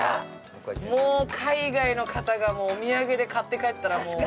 海外の方がお土産で買って帰ったら。